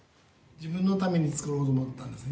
自分のために作ろうと思ったんですね